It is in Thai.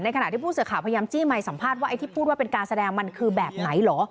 ขณะที่ผู้สื่อข่าวพยายามจี้ไมค์สัมภาษณ์ว่าไอ้ที่พูดว่าเป็นการแสดงมันคือแบบไหนเหรอ